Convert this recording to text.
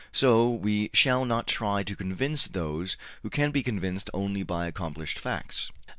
So we shall not try to convince those who can be convinced only by accomplished facts.